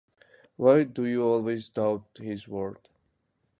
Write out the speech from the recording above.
Why do you always doubt his word!